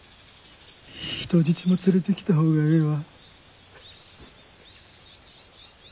人質も連れてきた方がええわ。